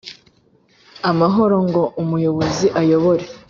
amahoro ngo umuyobozi ayobore